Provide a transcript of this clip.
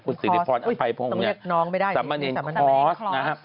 คุณศิริพรอัมภัยพรุงเนี่ยซัมมะเนนคลอส